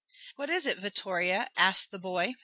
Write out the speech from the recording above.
"What is it, Vittoria?" asked the boy.